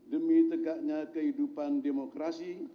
demi tegaknya kehidupan demokrasi